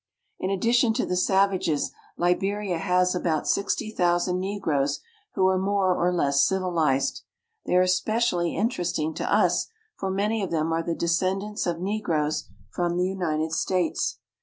In addition to the savages, Liberia has about sixty thousand negroes who are more or less civilized. They I I SENEGAMBIA, SIERRA LEONE, AND LIBERIA 203 especially interesting to us, for many of them are the | lescendants of negroes from the United States.